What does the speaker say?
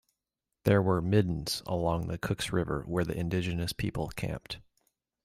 There were middens along the Cooks River where the indigenous people camped.